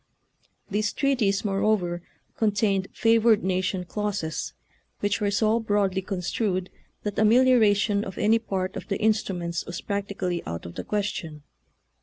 These treaties, moreover, contained favored nation clauses, which were so broadly construed that amelioration of any part of the instruments was practically out of the question.